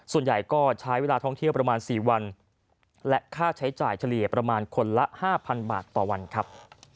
ส่วนใหญ่ก็ใช้เวลาท่องเที่ยวประมาณ๔วันและค่าใช้จ่ายเฉลี่ยประมาณคนละ๕๐๐บาทต่อวันครับ